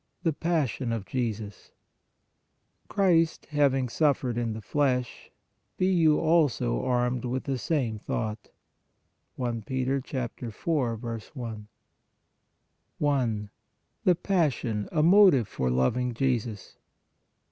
THE PASSION OF JESUS ,/\" Christ having suffered in the flesh, be you also armed with the same thought" (i Pet. 4. l). i. THE PASSION, A MOTIVE FOR LOVING JESUS.